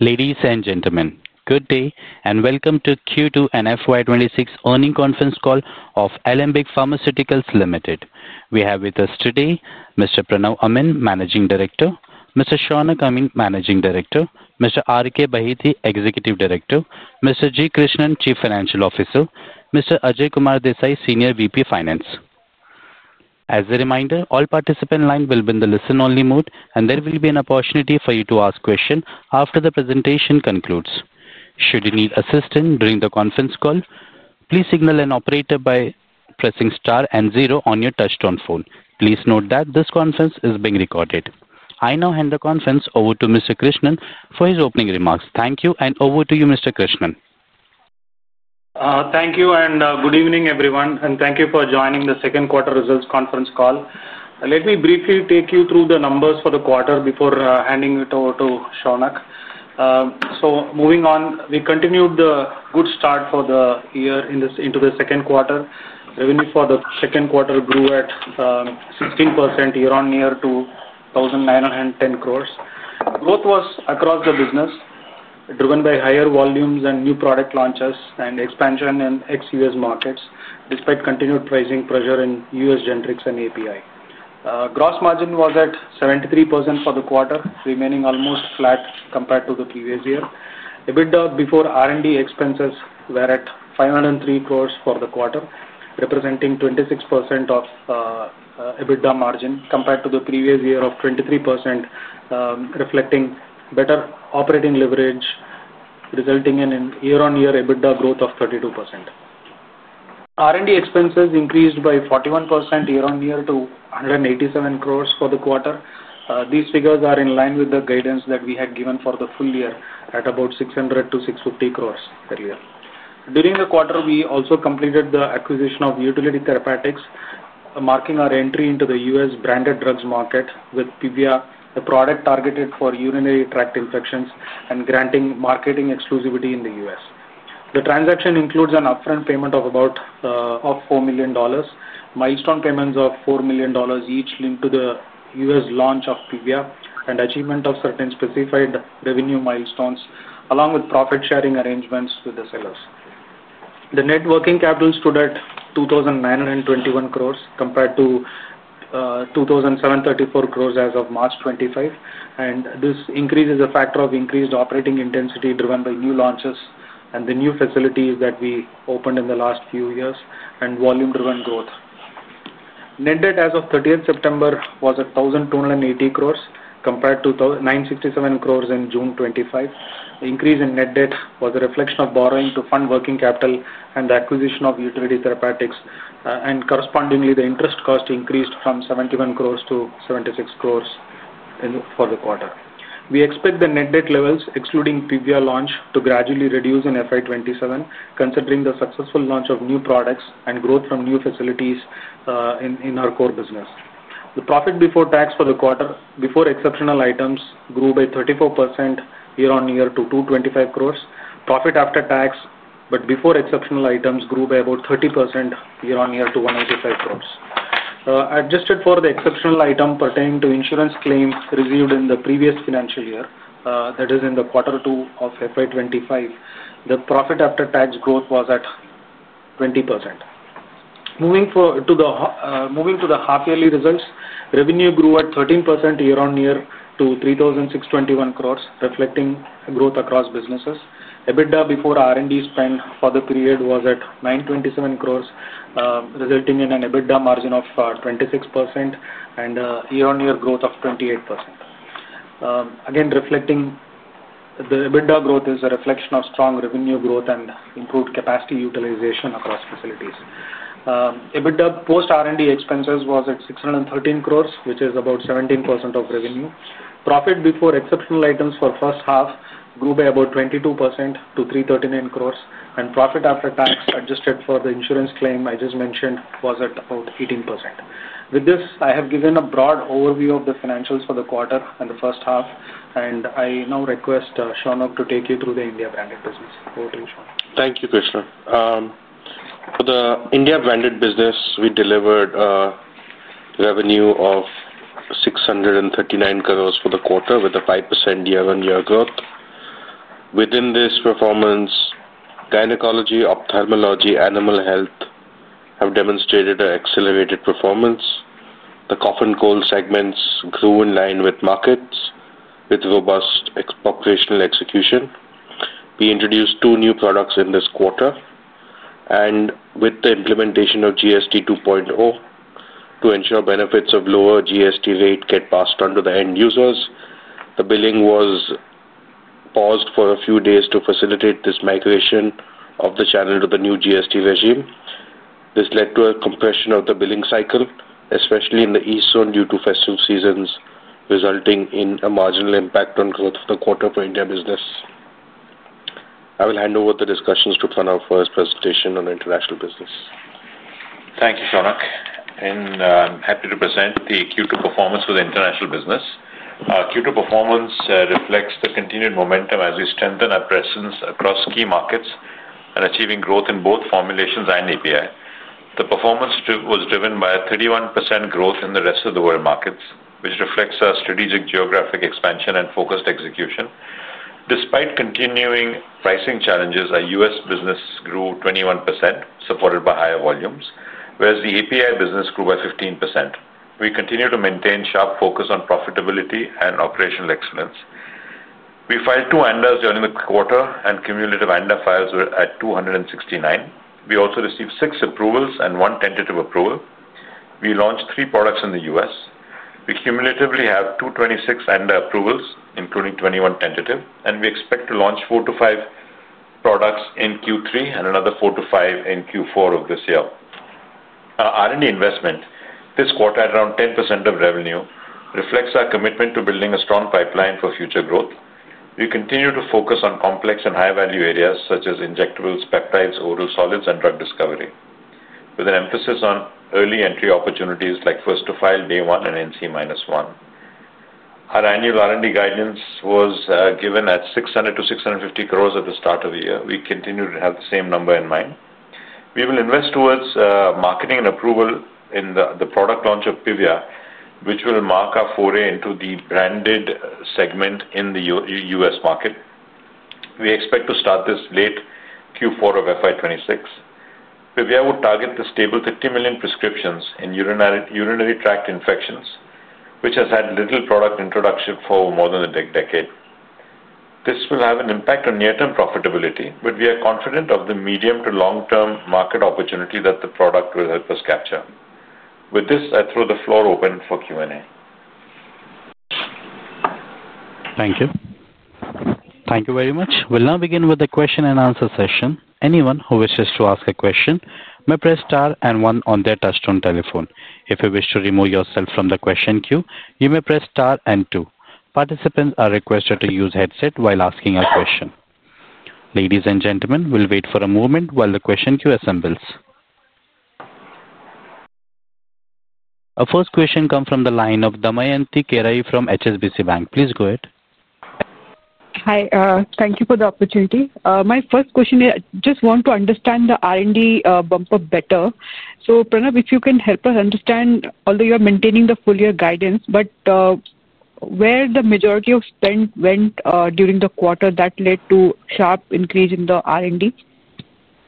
Ladies and gentlemen, good day and welcome to Q2 and FY 2026 earning conference call of Alembic Pharmaceuticals Limited. We have with us today Mr. Pranav Amin, Managing Director; Mr. Shaunak Amin, Managing Director; Mr. R. K. Baheti, Executive Director; Mr. G. Krishnan, Chief Financial Officer; Mr. Ajay Kumar Desai, Senior VP Finance. As a reminder, all participant line will be in the listen-only mode, and there will be an opportunity for you to ask questions after the presentation concludes. Should you need assistance during the conference call, please signal an operator by pressing star and zero on your touch-tone phone. Please note that this conference is being recorded. I now hand the conference over to Mr. Krishnan for his opening remarks. Thank you, and over to you, Mr. Krishnan. Thank you, and good evening, everyone. Thank you for joining the second quarter results conference call. Let me briefly take you through the numbers for the quarter before handing it over to Shaunak. Moving on, we continued the good start for the year into the second quarter. Revenue for the second quarter grew at 16% year-on-year to 1,910 crores. Growth was across the business, driven by higher volumes and new product launches, and expansion in ex-U.S. markets despite continued pricing pressure in U.S. generics and API. Gross margin was at 73% for the quarter, remaining almost flat compared to the previous year. EBITDA before R&D expenses was at 503 crores for the quarter, representing 26% of EBITDA margin compared to the previous year of 23%, reflecting better operating leverage, resulting in year-on-year EBITDA growth of 32%. R&D expenses increased by 41% year-on-year to 187 crores for the quarter. These figures are in line with the guidance that we had given for the full year at about 600 crores-650 crores earlier. During the quarter, we also completed the acquisition of UTILITY Therapeutics, marking our entry into the U.S. branded drugs market with PIVYA, a product targeted for urinary tract infections and granting marketing exclusivity in the U.S. The transaction includes an upfront payment of about $4 million, milestone payments of $4 million each linked to the U.S. launch of PIVYA and achievement of certain specified revenue milestones, along with profit-sharing arrangements with the sellers. The net working capital stood at 2,921 crores compared to 2,734 crores as of March 2025. This increase is a factor of increased operating intensity driven by new launches and the new facilities that we opened in the last few years and volume-driven growth. Net debt as of 30th September was 1,280 crores compared to 967 crores in June 2025. The increase in net debt was a reflection of borrowing to fund working capital and the acquisition of UTILITY Therapeutics, and correspondingly, the interest cost increased from 71 crores to 76 crores for the quarter. We expect the net debt levels, excluding PIVYA launch, to gradually reduce in FY 2027, considering the successful launch of new products and growth from new facilities in our core business. The profit before tax for the quarter, before exceptional items, grew by 34% year-on-year to 225 crores. Profit after tax, but before exceptional items, grew by about 30% year-on-year to 185 crores. Adjusted for the exceptional item pertaining to insurance claims received in the previous financial year, that is, in the quarter two of FY 2025, the profit after tax growth was at 20%. Moving to the half-yearly results, revenue grew at 13% year-on-year to 3,621 crores, reflecting growth across businesses. EBITDA before R&D spend for the period was at 927 crores, resulting in an EBITDA margin of 26% and year-on-year growth of 28%. Again, the EBITDA growth is a reflection of strong revenue growth and improved capacity utilization across facilities. EBITDA post-R&D expenses was at 613 crore, which is about 17% of revenue. Profit before exceptional items for the first half grew by about 22% to 339 crore, and profit after tax, adjusted for the insurance claim I just mentioned, was at about 18%. With this, I have given a broad overview of the financials for the quarter and the first half, and I now request Shaunak to take you through the India branded business. Over to you, Shaunak. Thank you, Krishnan. For the India branded business, we delivered revenue of 639 crore for the quarter with a 5% year-on-year growth. Within this performance, gynecology, ophthalmology, and animal health have demonstrated an accelerated performance. The cough and cold segments grew in line with markets with robust operational execution. We introduced two new products in this quarter. With the implementation of GST 2.0 to ensure benefits of lower GST rate get passed on to the end users, the billing was paused for a few days to facilitate this migration of the channel to the new GST regime. This led to a compression of the billing cycle, especially in the east zone due to festive seasons, resulting in a marginal impact on growth of the quarter for India business. I will hand over the discussions to Pranav for his presentation on international business. Thank you, Shaunak. I am happy to present the Q2 performance for the international business. Q2 performance reflects the continued momentum as we strengthen our presence across key markets and achieving growth in both formulations and API. The performance was driven by a 31% growth in the rest of the world markets, which reflects our strategic geographic expansion and focused execution. Despite continuing pricing challenges, our U.S. business grew 21%, supported by higher volumes, whereas the API business grew by 15%. We continue to maintain sharp focus on profitability and operational excellence. We filed two ANDAs during the quarter, and cumulative ANDA files were at 269. We also received six approvals and one tentative approval. We launched three products in the U.S. We cumulatively have 226 ANDA approvals, including 21 tentative, and we expect to launch four to five products in Q3 and another four to five in Q4 of this year. Our R&D investment this quarter at around 10% of revenue reflects our commitment to building a strong pipeline for future growth. We continue to focus on complex and high-value areas such as injectables, peptides, oral solids, and drug discovery, with an emphasis on early entry opportunities like first-to-file day one and NCE-1. Our annual R&D guidance was given at 600 crores-650 crores at the start of the year. We continue to have the same number in mind. We will invest towards marketing and approval in the product launch of PIVYA, which will mark our foray into the branded segment in the U.S. market. We expect to start this late Q4 of FY 2026. PIVYA would target the stable 50 million prescriptions in urinary tract infections, which has had little product introduction for more than a decade. This will have an impact on near-term profitability, but we are confident of the medium to long-term market opportunity that the product will help us capture. With this, I throw the floor open for Q&A. Thank you. Thank you very much. We'll now begin with the question and answer session. Anyone who wishes to ask a question may press star and one on their touch-tone telephone. If you wish to remove yourself from the question queue, you may press star and two. Participants are requested to use headset while asking a question. Ladies and gentlemen, we'll wait for a moment while the question queue assembles. Our first question comes from the line of Damayanti Kerai from HSBC Bank. Please go ahead. Hi. Thank you for the opportunity. My first question is, I just want to understand the R&D bumper better. So Pranav, if you can help us understand, although you are maintaining the full-year guidance, where the majority of spend went during the quarter that led to a sharp increase in the R&D?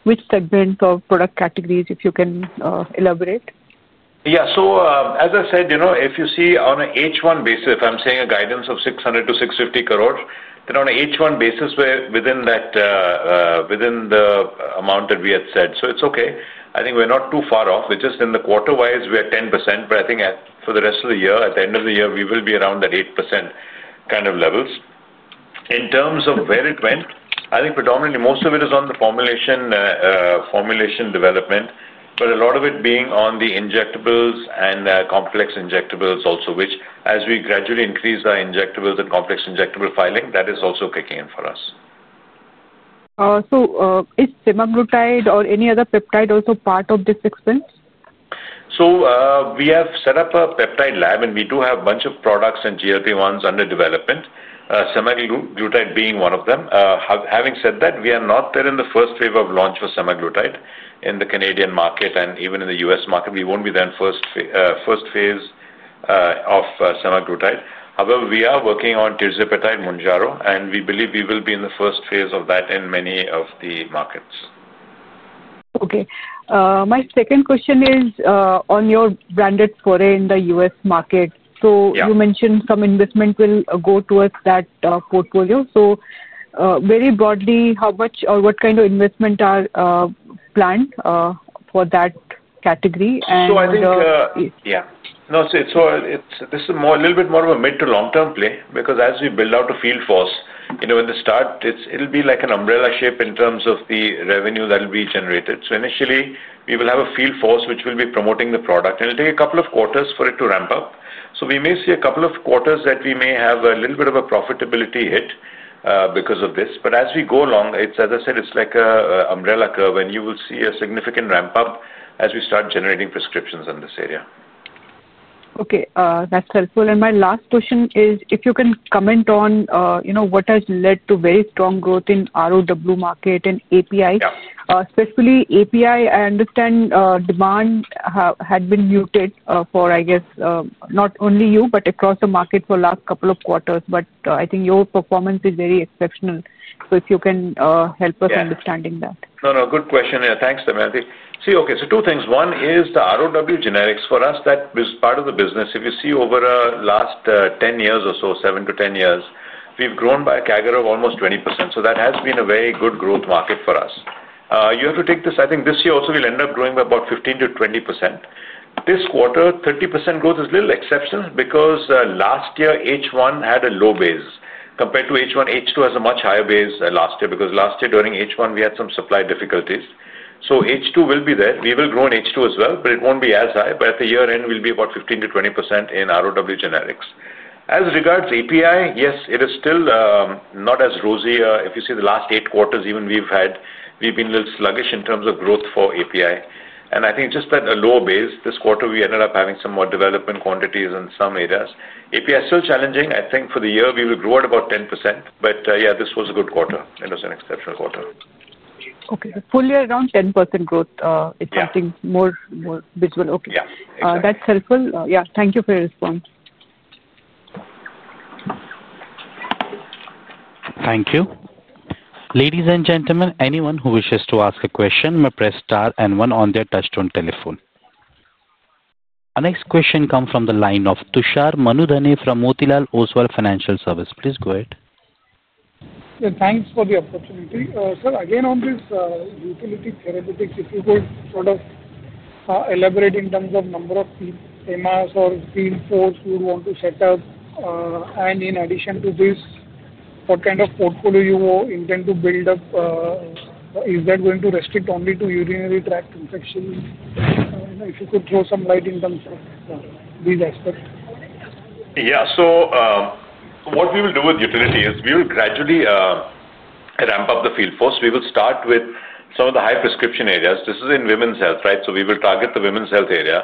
Which segment of product categories, if you can elaborate? Yeah. As I said, if you see on an H1 basis, if I'm saying a guidance of 600 crores-650 crores, then on an H1 basis, we're within that amount that we had said. It's okay. I think we're not too far off. We're just, in the quarter-wise, we're 10%, but I think for the rest of the year, at the end of the year, we will be around that 8% kind of levels. In terms of where it went, I think predominantly most of it is on the formulation development, but a lot of it being on the injectables and complex injectables also, which, as we gradually increase our injectables and complex injectable filing, that is also kicking in for us. Is semaglutide or any other peptide also part of this expense? We have set up a peptide lab, and we do have a bunch of products and GLP-1s under development, semaglutide being one of them. Having said that, we are not there in the first phase of launch for semaglutide in the Canadian market, and even in the U.S. market, we won't be there in the first phase of semaglutide. However, we are working on tirzepatide Mounjaro, and we believe we will be in the first phase of that in many of the markets. Okay. My second question is on your branded foray in the U.S. market. You mentioned some investment will go towards that portfolio. Very broadly, how much or what kind of investment are planned for that category? I think, yeah. No, this is a little bit more of a mid to long-term play because as we build out a field force, in the start, it'll be like an umbrella shape in terms of the revenue that will be generated. Initially, we will have a field force which will be promoting the product, and it'll take a couple of quarters for it to ramp up. We may see a couple of quarters that we may have a little bit of a profitability hit because of this. As we go along, as I said, it's like an umbrella curve, and you will see a significant ramp up as we start generating prescriptions in this area. Okay. That's helpful. My last question is, if you can comment on what has led to very strong growth in ROW market and API, especially API. I understand demand had been muted for, I guess, not only you, but across the market for the last couple of quarters. I think your performance is very exceptional. If you can help us understanding that. No, no. Good question. Thanks, Damayanti. See, okay, so two things. One is the ROW generics. For us, that was part of the business. If you see over the last 10 years or so, seven to 10 years, we've grown by a CAGR of almost 20%. That has been a very good growth market for us. You have to take this. I think this year also, we'll end up growing by about 15%-20%. This quarter, 30% growth is a little exceptional because last year, H1 had a low base compared to H1. H2 has a much higher base last year because last year, during H1, we had some supply difficulties. H2 will be there. We will grow in H2 as well, but it won't be as high. At the year end, we'll be about 15%-20% in ROW generics. As regards to API, yes, it is still not as rosy. If you see the last eight quarters, even we've been a little sluggish in terms of growth for API. I think just at a lower base, this quarter, we ended up having some more development quantities in some areas. API is still challenging. I think for the year, we will grow at about 10%. Yeah, this was a good quarter. It was an exceptional quarter. Okay. Fully around 10% growth is something more visible. Okay. Yeah. That's helpful. Yeah. Thank you for your response. Thank you. Ladies and gentlemen, anyone who wishes to ask a question may press star and one on their touch-tone telephone. Our next question comes from the line of Tushar Manudhane from Motilal Oswal Financial Services. Please go ahead. Thanks for the opportunity. Sir, again, on this UTILITY Therapeutics, if you could sort of elaborate in terms of number of PMAs or field force you would want to set up. In addition to this, what kind of portfolio you intend to build up? Is that going to restrict only to urinary tract infections? If you could throw some light in terms of these aspects. Yeah. What we will do with UTILITY is we will gradually ramp up the field force. We will start with some of the high prescription areas. This is in women's health, right? We will target the women's health area.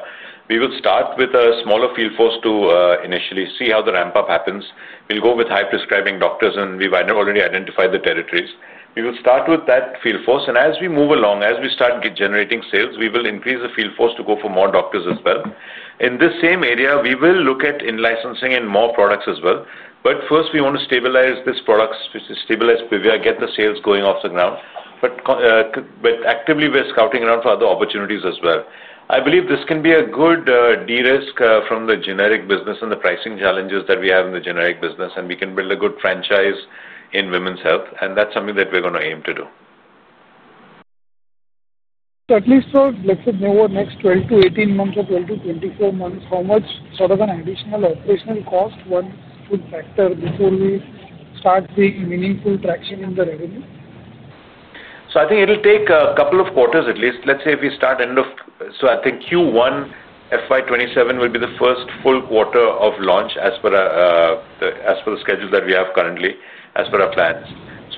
We will start with a smaller field force to initially see how the ramp-up happens. We'll go with high-prescribing doctors, and we've already identified the territories. We will start with that field force. As we move along, as we start generating sales, we will increase the field force to go for more doctors as well. In this same area, we will look at in-licensing and more products as well. First, we want to stabilize these products, stabilize PIVYA, get the sales going off the ground. Actively, we're scouting around for other opportunities as well. I believe this can be a good de-risk from the generic business and the pricing challenges that we have in the generic business, and we can build a good franchise in women's health. That's something that we're going to aim to do. At least for, let's say, over the next 12 months-18 months or 12 months-24 months, how much sort of an additional operational cost one should factor before we start seeing meaningful traction in the revenue? I think it'll take a couple of quarters at least. Let's say if we start end of, I think Q1 FY 2027 will be the first full quarter of launch as per the schedule that we have currently, as per our plans.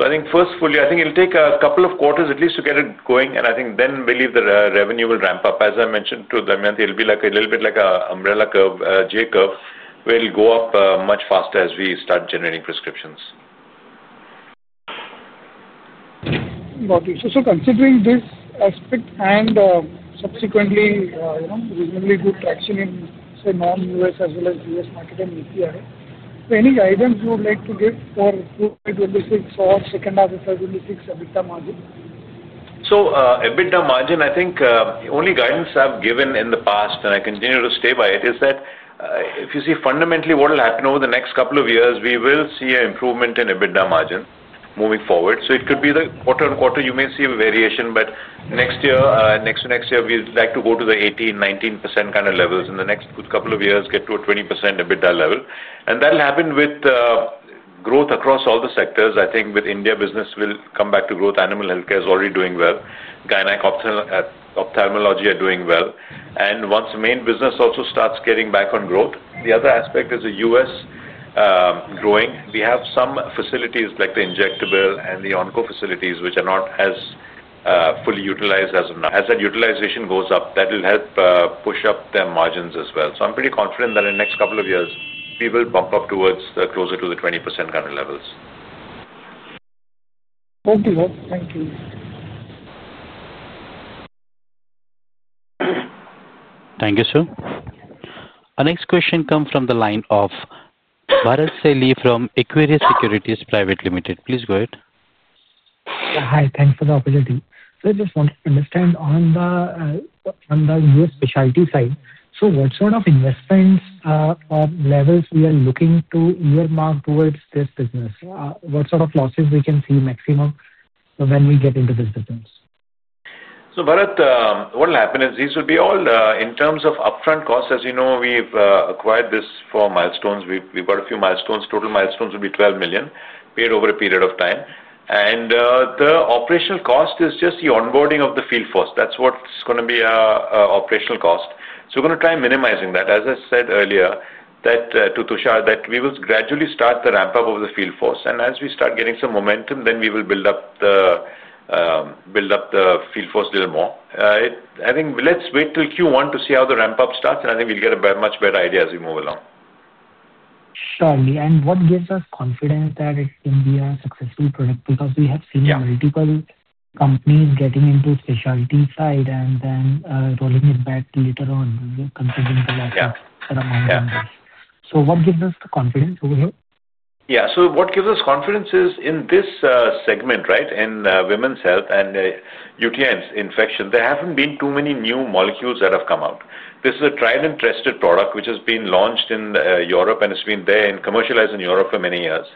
I think first, fully, I think it'll take a couple of quarters at least to get it going. I think then, believe the revenue will ramp up. As I mentioned to Damayanti, it'll be like a little bit like an umbrella curve, J curve. We'll go up much faster as we start generating prescriptions. Got it. So considering this aspect and subsequently. Reasonably good traction in, say, non-U.S. as well as U.S. market and API, any guidance you would like to give for Q2 FY 2026 or second half of FY 2026, EBITDA margin? EBITDA margin, I think the only guidance I've given in the past, and I continue to stay by it, is that if you see fundamentally what will happen over the next couple of years, we will see an improvement in EBITDA margin moving forward. It could be the quarter-on-quarter, you may see a variation. Next year, next to next year, we'd like to go to the 18%-19% kind of levels in the next couple of years, get to a 20% EBITDA level. That'll happen with growth across all the sectors. I think with India business, we'll come back to growth. Animal healthcare is already doing well. Gynec ophthalmology are doing well. Once the main business also starts getting back on growth, the other aspect is the U.S. growing. We have some facilities like the injectable and the oncofacilities, which are not as fully utilized. As that utilization goes up, that'll help push up their margins as well. I'm pretty confident that in the next couple of years, we will bump up towards closer to the 20% kind of levels. Okay. Thank you. Thank you, sir. Our next question comes from the line of Bharat Celly from Equirus Securities Private Limited. Please go ahead. Hi. Thanks for the opportunity. I just wanted to understand on the U.S. specialty side, what sort of investments or levels we are looking to earmark towards this business? What sort of losses we can see maximum when we get into this business? Bharat, what'll happen is these will be all in terms of upfront costs. As you know, we've acquired this for milestones. We've got a few milestones. Total milestones will be $12 million paid over a period of time. The operational cost is just the onboarding of the field force. That's what's going to be an operational cost. We're going to try minimizing that. As I said earlier to Tushar, we will gradually start the ramp-up of the field force. As we start getting some momentum, then we will build up the field force a little more. I think let's wait till Q1 to see how the ramp-up starts, and I think we'll get a much better idea as we move along. Surely. What gives us confidence that it can be a successful product? We have seen multiple companies getting into specialty side and then rolling it back later on, considering the losses that are mounting there. What gives us the confidence over here? Yeah. What gives us confidence is in this segment, right, in women's health and UTIs, infection, there haven't been too many new molecules that have come out. This is a tried and tested product which has been launched in Europe, and it's been commercialized in Europe for many years.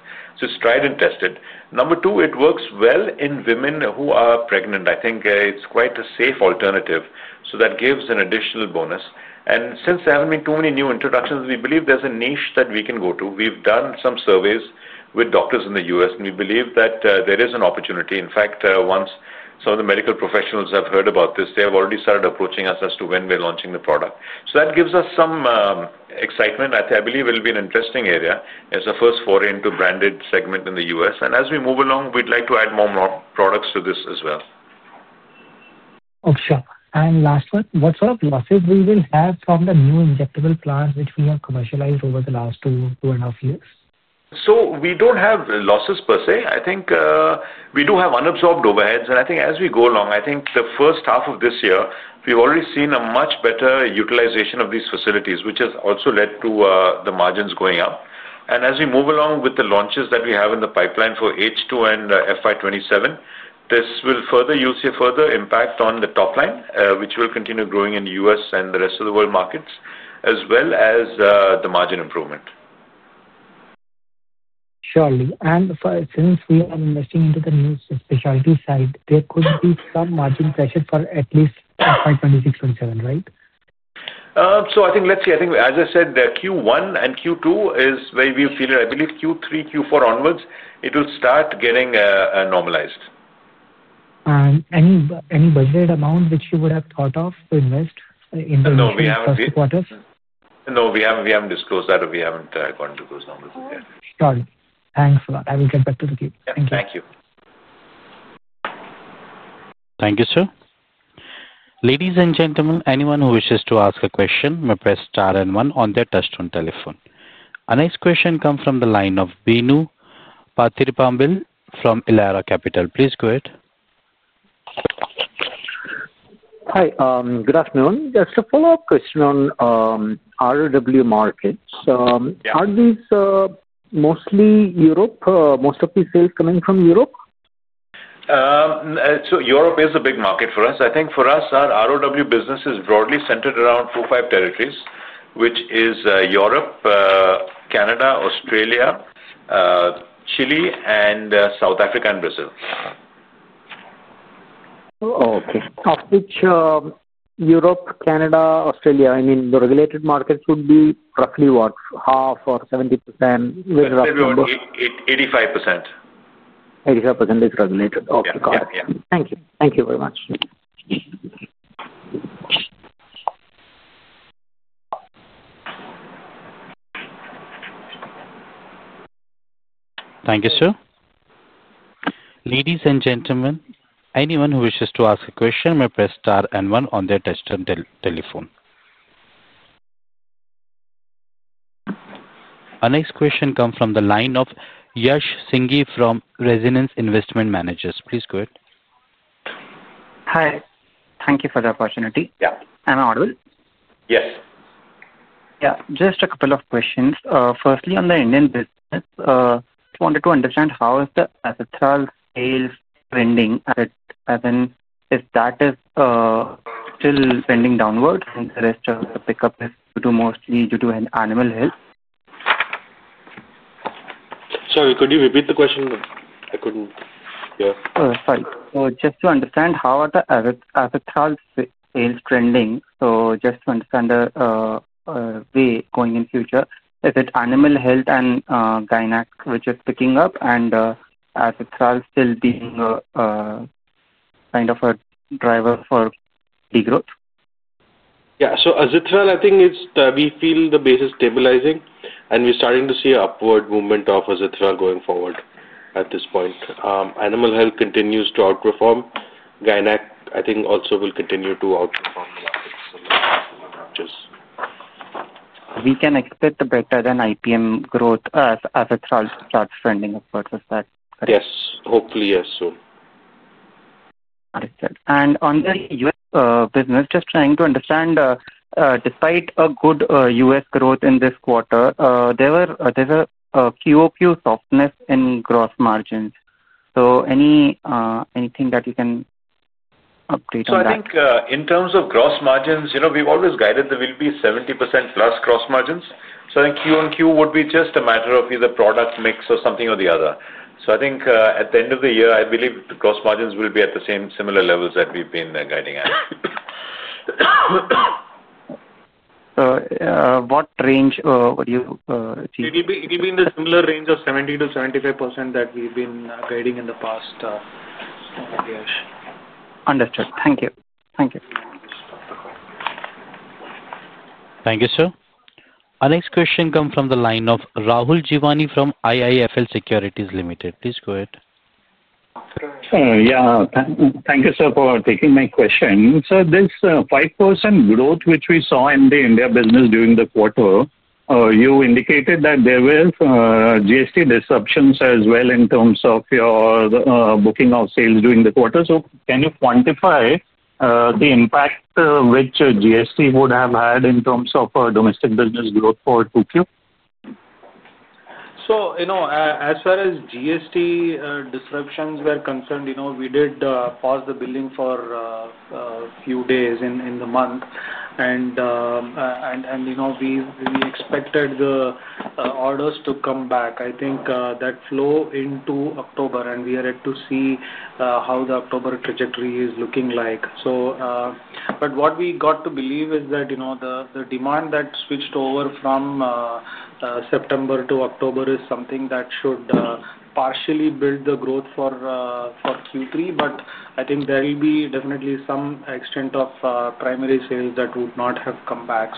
It's tried and tested. Number two, it works well in women who are pregnant. I think it's quite a safe alternative. That gives an additional bonus. Since there haven't been too many new introductions, we believe there's a niche that we can go to. We've done some surveys with doctors in the U.S., and we believe that there is an opportunity. In fact, once some of the medical professionals have heard about this, they have already started approaching us as to when we're launching the product. That gives us some excitement. I believe it'll be an interesting area as a first foray into the branded segment in the U.S. As we move along, we'd like to add more products to this as well. Okay. Sure. And last one, what sort of losses will we have from the new injectable plants which we have commercialized over the last two and a half years? We don't have losses per se. I think we do have unabsorbed overheads. I think as we go along, the first half of this year, we've already seen a much better utilization of these facilities, which has also led to the margins going up. As we move along with the launches that we have in the pipeline for H2 and FY 2027, this will further impact the top line, which will continue growing in the U.S. and the rest of the world markets, as well as the margin improvement. Surely. Since we are investing into the new specialty side, there could be some margin pressure for at least FY 2026, FY 2027, right? I think, let's see. I think, as I said, Q1 and Q2 is where we've seen it. I believe Q3, Q4 onwards, it will start getting normalized. Any budgeted amount which you would have thought of to invest in the first quarters? No, we haven't disclosed that, or we haven't gone to those numbers yet. Got it. Thanks a lot. I will get back to the team. Thank you. Thank you. Thank you, sir. Ladies and gentlemen, anyone who wishes to ask a question may press star and one on their touch-tone telephone. Our next question comes from the line of Bino Pathirparampil from Elara Capital. Please go ahead. Hi. Good afternoon. Just a follow-up question on ROW markets. Are these mostly Europe? Most of these sales coming from Europe? Europe is a big market for us. I think for us, our ROW business is broadly centered around four or five territories, which are Europe, Canada, Australia, Chile, and South Africa and Brazil. Okay. Of which. Europe, Canada, Australia, I mean, the regulated markets would be roughly what? Half or 70% with roughly? 85%. 85% is regulated. Okay. Got it. Yeah. Yeah. Thank you. Thank you very much. Thank you, sir. Ladies and gentlemen, anyone who wishes to ask a question may press star and one on their touch-tone telephone. Our next question comes from the line of Yash Singhee from Renaissance Investment Managers. Please go ahead. Hi. Thank you for the opportunity. Yeah. Am I audible? Yes. Yeah. Just a couple of questions. Firstly, on the Indian business. I wanted to understand how is the Azithral sales trending. As in, is that still trending downward, and the rest of the pickup is due to mostly due to animal health? Sorry, could you repeat the question? I couldn't hear. Sorry. Just to understand, how are the Azithral sales trending? Just to understand, the way going in the future, is it animal health and gynec which is picking up and Azithral still being kind of a driver for the growth? Yeah. So Azithral, I think we feel the base is stabilizing, and we're starting to see an upward movement of Azithral going forward at this point. Animal health continues to outperform. Gynec, I think, also will continue to outperform the markets in the future. We can expect a better-than-IPM growth as Entresto starts trending upwards as well. Yes. Hopefully, yes, soon. Got it. On the US business, just trying to understand. Despite a good U.S. growth in this quarter, there was a few softness in gross margins. Anything that you can update on that? I think in terms of gross margins, we've always guided there will be 70%+ gross margins. I think Q1, Q2 would be just a matter of either product mix or something or the other. I think at the end of the year, I believe the gross margins will be at the same similar levels that we've been guiding at. What range would you see? It will be in the similar range of 70%-75% that we've been guiding in the past year. Understood. Thank you. Thank you. Thank you, sir. Our next question comes from the line of Rahul Jeewani from IIFL Securities Limited. Please go ahead. Yeah. Thank you, sir, for taking my question. This 5% growth which we saw in the India business during the quarter, you indicated that there were GST disruptions as well in terms of your booking of sales during the quarter. Can you quantify the impact which GST would have had in terms of domestic business growth for Q2? As far as GST disruptions were concerned, we did pause the billing for a few days in the month. We expected the orders to come back. I think that flow into October, and we are yet to see how the October trajectory is looking like. What we got to believe is that the demand that switched over from September to October is something that should partially build the growth for Q3. I think there will be definitely some extent of primary sales that would not have come back.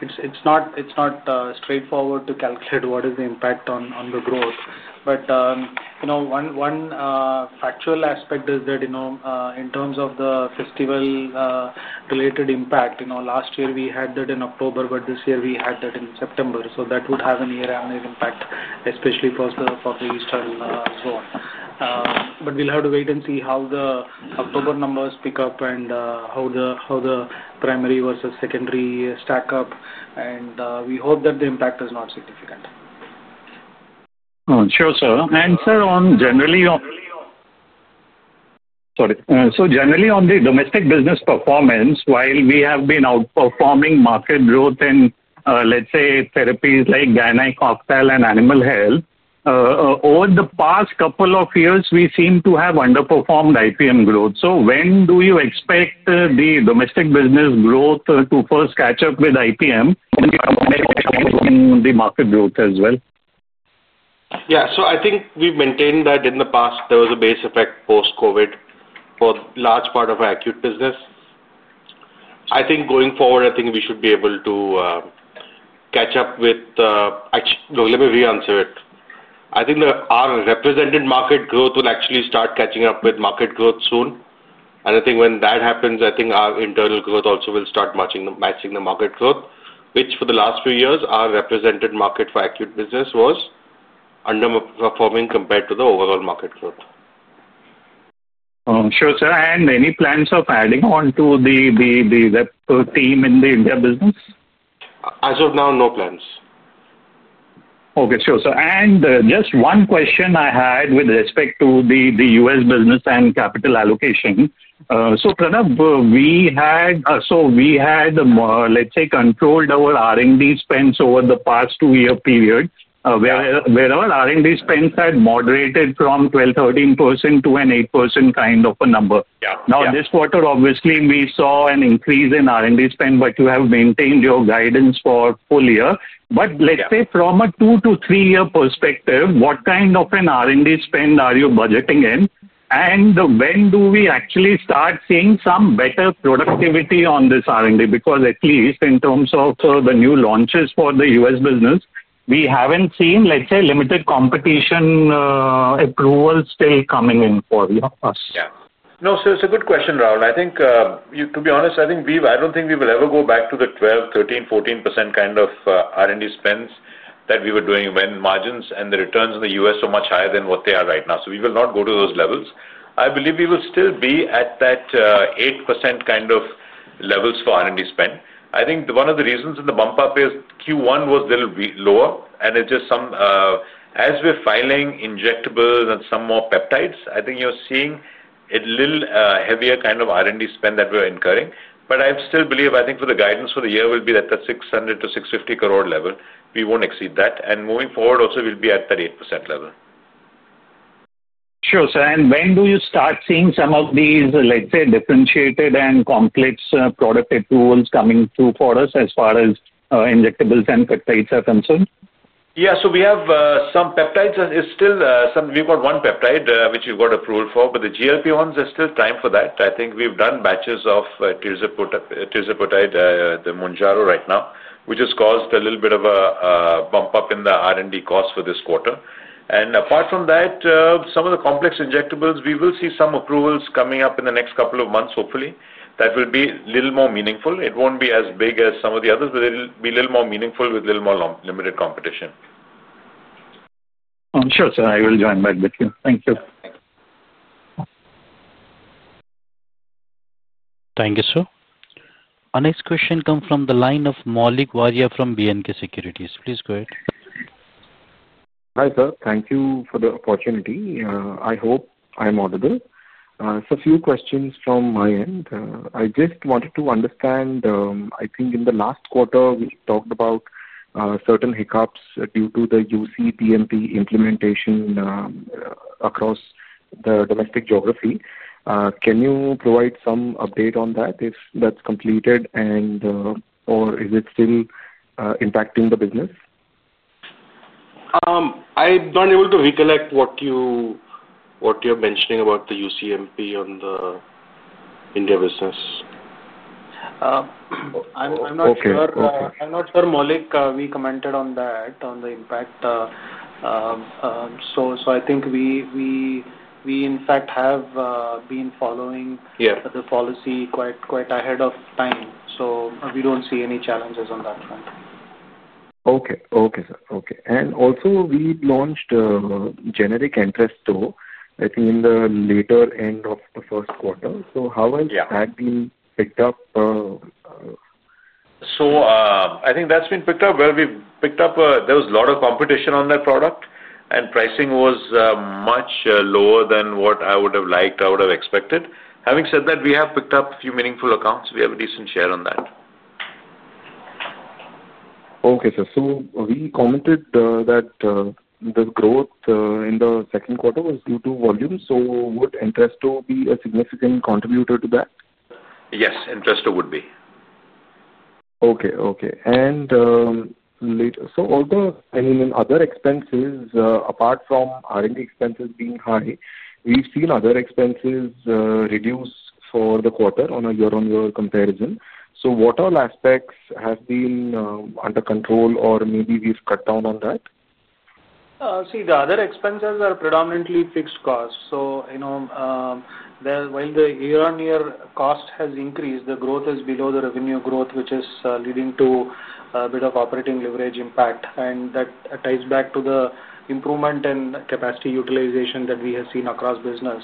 It is not straightforward to calculate what is the impact on the growth. One factual aspect is that in terms of the festival-related impact, last year we had that in October, but this year we had that in September. That would have a near-annual impact, especially for the Eastern zone. We will have to wait and see how the October numbers pick up and how the primary versus secondary stack up. We hope that the impact is not significant. Sure, sir. Sir, generally. Sorry. Generally, on the domestic business performance, while we have been outperforming market growth in, let's say, therapies like gynec, ophthal, and animal health, over the past couple of years, we seem to have underperformed IPM growth. When do you expect the domestic business growth to first catch up with IPM and the market growth as well? Yeah. I think we've maintained that in the past. There was a base effect post-COVID for a large part of our acute business. I think going forward, we should be able to catch up with—actually, let me re-answer it. I think our represented market growth will actually start catching up with market growth soon. I think when that happens, our internal growth also will start matching the market growth, which for the last few years, our represented market for acute business was underperforming compared to the overall market growth. Sure, sir. Any plans of adding on to the rep team in the India business? As of now, no plans. Okay. Sure, sir. Just one question I had with respect to the U.S. business and capital allocation. Pranav, we had, let's say, controlled our R&D spends over the past two-year period, where our R&D spends had moderated from 12%-13% to an 8% kind of a number. Yeah. Now, this quarter, obviously, we saw an increase in R&D spend, but you have maintained your guidance for the full year. Let's say from a two-year to three-year perspective, what kind of an R&D spend are you budgeting in? When do we actually start seeing some better productivity on this R&D? Because at least in terms of the new launches for the U.S. business, we haven't seen, let's say, limited competition. Approvals still coming in for us. Yeah. No, sir, it's a good question, Rahul. I think, to be honest, I don't think we will ever go back to the 12%, 13%, 14% kind of R&D spends that we were doing when margins and the returns in the U.S. were much higher than what they are right now. We will not go to those levels. I believe we will still be at that 8% kind of levels for R&D spend. I think one of the reasons in the bump-up is Q1 was a little lower, and it's just some. As we're filing injectables and some more peptides, I think you're seeing a little heavier kind of R&D spend that we're incurring. I still believe, I think for the guidance for the year will be at the 600 crore-650 crore level. We won't exceed that. Moving forward, also, we'll be at that 8% level. Sure, sir. When do you start seeing some of these, let's say, differentiated and complex product approvals coming through for us as far as injectables and peptides are concerned? Yeah. So we have some peptides. We've got one peptide which we've got approval for, but the GLP-1s are still time for that. I think we've done batches of tirzepatide, the Mounjaro right now, which has caused a little bit of a bump-up in the R&D cost for this quarter. Apart from that, some of the complex injectables, we will see some approvals coming up in the next couple of months, hopefully, that will be a little more meaningful. It won't be as big as some of the others, but it'll be a little more meaningful with a little more limited competition. Sure, sir. I will join back the queue. Thank you. Thanks. Thank you, sir. Our next question comes from the line of Maulik Varia from B&K Securities. Please go ahead. Hi, sir. Thank you for the opportunity. I hope I'm audible. Just a few questions from my end. I just wanted to understand, I think in the last quarter, we talked about certain hiccups due to the UCPMP implementation across the domestic geography. Can you provide some update on that, if that's completed, or is it still impacting the business? I'm not able to recollect what you are mentioning about the UCPMP on the India business. I'm not sure. Maulik, we commented on that, on the impact. I think we, in fact, have been following the policy quite ahead of time. We don't see any challenges on that front. Okay. Okay, sir. Okay. Also, we launched a generic Entresto in the later end of the first quarter. How has that been picked up? I think that's been picked up where we picked up there was a lot of competition on that product, and pricing was much lower than what I would have liked, I would have expected. Having said that, we have picked up a few meaningful accounts. We have a decent share on that. Okay, sir. We commented that the growth in the second quarter was due to volume. Would Entresto be a significant contributor to that? Yes. Entresto would be. Okay. Okay. And I mean, in other expenses, apart from R&D expenses being high, we've seen other expenses reduce for the quarter on a year-on-year comparison. What all aspects have been under control, or maybe we've cut down on that? See, the other expenses are predominantly fixed costs. While the year-on-year cost has increased, the growth is below the revenue growth, which is leading to a bit of operating leverage impact. That ties back to the improvement in capacity utilization that we have seen across business.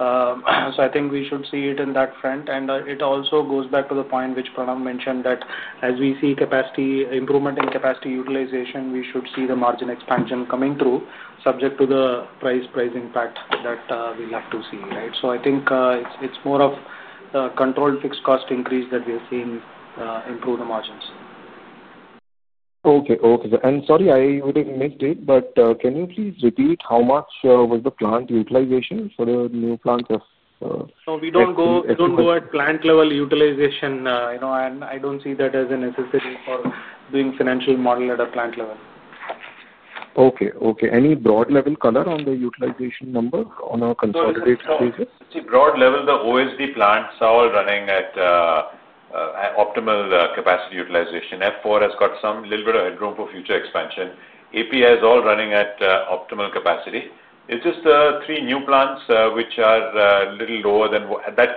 I think we should see it in that front. It also goes back to the point which Pranav mentioned that as we see improvement in capacity utilization, we should see the margin expansion coming through, subject to the price impact that we have to see. Right? I think it's more of a controlled fixed cost increase that we have seen improve the margins. Okay. Okay. Sorry, I would have missed it, but can you please repeat how much was the plant utilization for the new plant? We do not go at plant-level utilization. I do not see that as a necessity for doing financial model at a plant level. Okay. Okay. Any broad-level color on the utilization number on a consolidated basis? See, broad level, the OSD plants are all running at optimal capacity utilization. F4 has got a little bit of headroom for future expansion. API is all running at optimal capacity. It's just three new plants which are a little lower than that.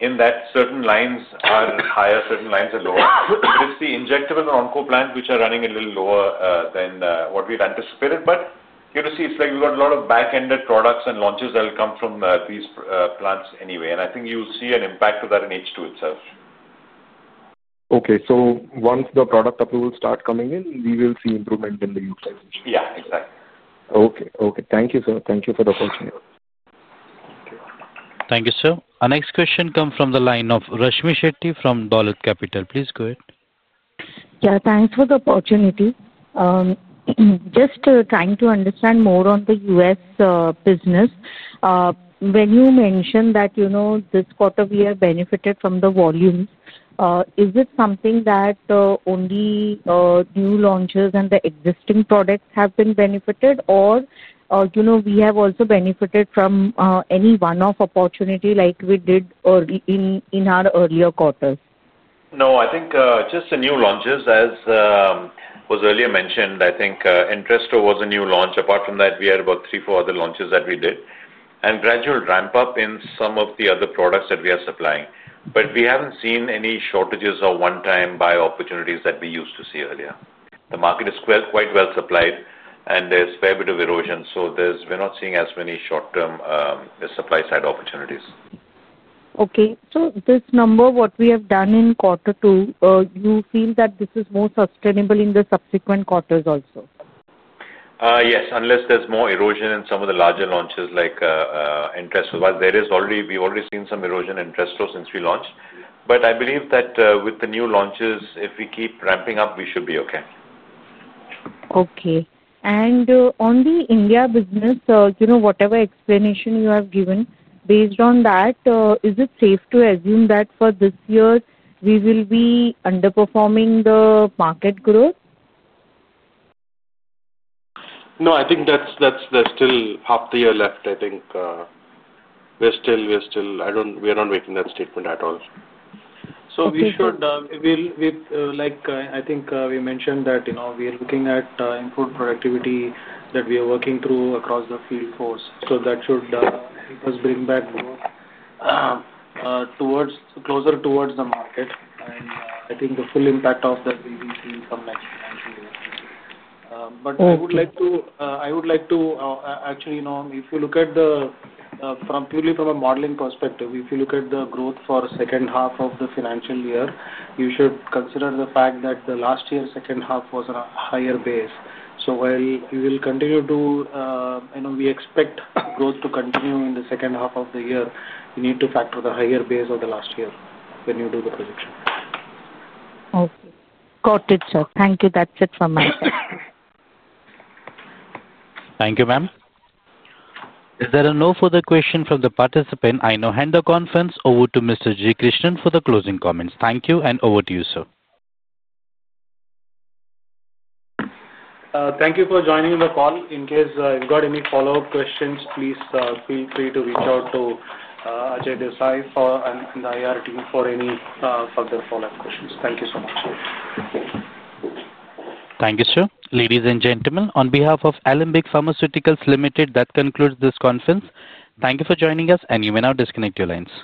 In that, certain lines are higher, certain lines are lower. It's the injectable and onco plants which are running a little lower than what we've anticipated. You'll see, it's like we've got a lot of back-ended products and launches that will come from these plants anyway. I think you'll see an impact of that in H2 itself. Okay. Once the product approvals start coming in, we will see improvement in the utilization. Yeah. Exactly. Okay. Okay. Thank you, sir. Thank you for the opportunity. Thank you. Thank you, sir. Our next question comes from the line of Rashmmi Shetty from Dolat Capital. Please go ahead. Yeah. Thanks for the opportunity. Just trying to understand more on the U.S. business. When you mentioned that this quarter we have benefited from the volumes, is it something that only new launches and the existing products have been benefited, or we have also benefited from any one-off opportunity like we did in our earlier quarters? No. I think just the new launches, as was earlier mentioned, I think Entresto was a new launch. Apart from that, we had about three, four other launches that we did and gradual ramp-up in some of the other products that we are supplying. We have not seen any shortages or one-time buy opportunities that we used to see earlier. The market is quite well supplied, and there is quite a bit of erosion. We are not seeing as many short-term supply-side opportunities. Okay. So this number, what we have done in quarter two, you feel that this is more sustainable in the subsequent quarters also? Yes. Unless there's more erosion in some of the larger launches like Entresto. We've already seen some erosion in Entresto since we launched. I believe that with the new launches, if we keep ramping up, we should be okay. Okay. On the India business, whatever explanation you have given, based on that, is it safe to assume that for this year, we will be underperforming the market growth? No. I think there's still half the year left. I think we're still—we are not making that statement at all. We should—I think we mentioned that we are looking at improved productivity that we are working through across the field force. That should help us bring back towards the market. I think the full impact of that will be seen some next financial year. I would like to—I would like to actually, if you look at the—purely from a modeling perspective, if you look at the growth for the second half of the financial year, you should consider the fact that last year's second half was on a higher base. While we will continue to—we expect growth to continue in the second half of the year. You need to factor the higher base of last year when you do the projection. Okay. Got it, sir. Thank you. That's it from my side. Thank you, ma'am. Is there no further question from the participant? I now hand the conference over to Mr. G. Krishnan for the closing comments. Thank you. And over to you, sir. Thank you for joining the call. In case you've got any follow-up questions, please feel free to reach out to Ajay Kumar Desai and the IR team for any further follow-up questions. Thank you so much. Thank you, sir. Ladies and gentlemen, on behalf of Alembic Pharmaceuticals Limited, that concludes this conference. Thank you for joining us, and you may now disconnect your lines.